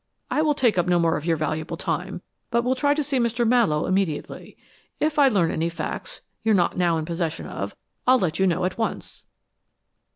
I will take up no more of your valuable time, but will try to see Mr. Mallowe immediately. If I learn any facts you're not now in possession of, I'll let you know at once."